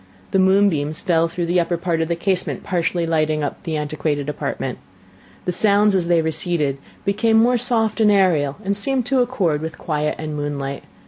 The moonbeams fell through the upper part of the casement, partially lighting up the antiquated apartment. The sounds, as they receded, became more soft and aerial, and seemed to accord with quiet and moonlight.